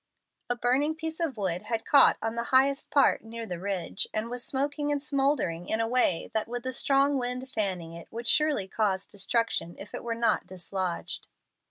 A burning piece of wood had caught on the highest part near the ridge, and was smoking and smouldering in a way that, with the strong wind fanning it, would surely cause destruction if it were not dislodged.